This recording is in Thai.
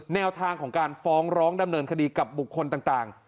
แนวทางของการฟ้องร้องดำเนินคดีกับบุคคลต่าง